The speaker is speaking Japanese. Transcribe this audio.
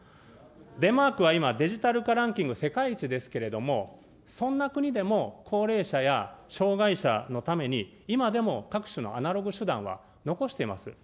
デンマークは今、デジタル化ランキング世界一ですけれども、そんな国でも、高齢者や障害者のために今でも各種のアナログ手段は残してます。